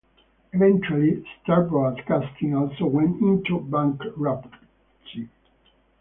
Eventually, Starr Broadcasting also went into bankruptcy.